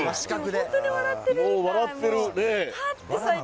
本当に笑ってるみたい。